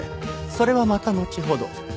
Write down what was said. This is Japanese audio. それはまたのちほど。